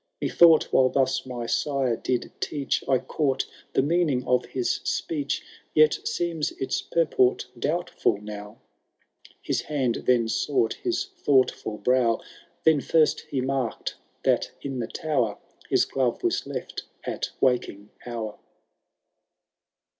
Methought while thus my aiie did teach, I caught the meaning of his speech, Yet seems its purport doubtful now/* His hand then sought his thoughtful brow. Then first he mark'd, that in the tower His glove was left at waking hour.